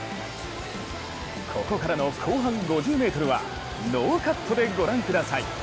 ここからの後半５０ｍはノーカットでご覧ください。